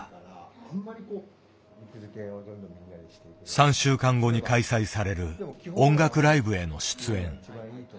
３週間後に開催される音楽ライブへの出演。